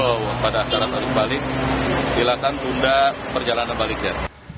kalau pada syarat arus balik silakan tunda perjalanan baliknya